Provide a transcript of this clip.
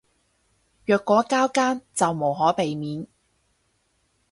若果交更就無可避免